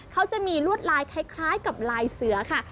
เขาจะมีลวดลายคล้ายกับลายเสือค่ะ